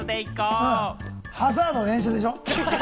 ハザードの練習でしょ？